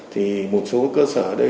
thì một số cơ sở